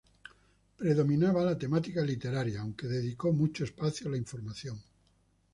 Predominaba la temática literaria, aunque dedicó mucho espacio a la información.